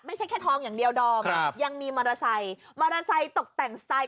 ไม่ใช่แค่ทองอย่างเดียวดอมครับยังมีมอเตอร์ไซค์มอเตอร์ไซค์ตกแต่งสไตล์